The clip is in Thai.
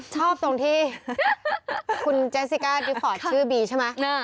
ตรงที่คุณเจสสิก้าดีฟอร์ตชื่อบีใช่ไหม